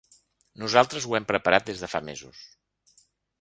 Nosaltres ho hem preparat des de fa mesos.